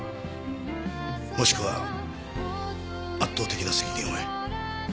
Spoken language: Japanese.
もしくは圧倒的な責任を負え。